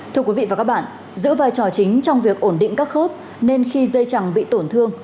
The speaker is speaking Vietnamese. thưa quý vị và các bạn giữ vai trò chính trong việc ổn định các khớp nên khi dây chẳng bị tổn thương